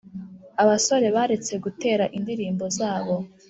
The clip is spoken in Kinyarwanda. abasore baretse gutera indirimbo zabo.